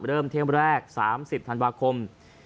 เริ่มเที่ยงแรก๓๐ธันวาคม